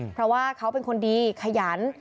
เพราะว่าเขาเป็นคนดีขยัน